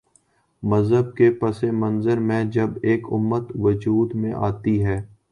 مذہب کے پس منظر میں جب ایک امت وجود میں آتی ہے۔